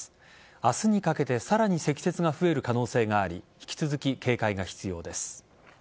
明日にかけてさらに積雪が増える可能性があり引き続き警戒が必要です。